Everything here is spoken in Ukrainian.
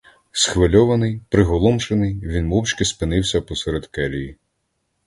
Схвильований, приголомшений, він мовчки спинився посеред келії.